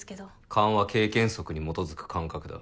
勘は経験則に基づく感覚だ。